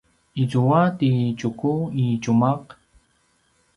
izua ti Tjuku i tjumaq?